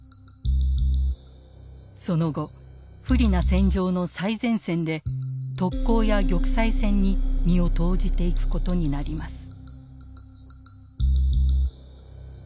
その後不利な戦場の最前線で特攻や玉砕戦に身を投じていくことになります。